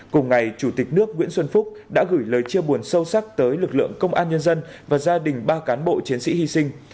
cùng ngày chủ tịch nước nguyễn xuân phúc đã gửi lời chia buồn sâu sắc tới lực lượng công an nhân dân và gia đình ba cán bộ chiến sĩ hy sinh